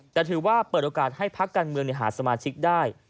แต่ถือว่าเปิดโอกาสให้พักการเมืองหาสมาชิกได้